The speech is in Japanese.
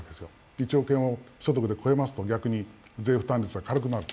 １億円を所得で超えますと逆に税負担率が軽くなる。